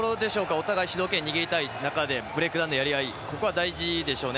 お互い、主導権握りたいところでブレイクダウンでやり合いここは大事でしょうね。